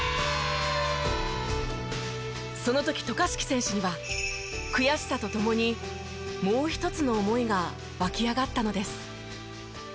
その時渡嘉敷選手には悔しさと共にもう一つの思いが湧き上がったのです。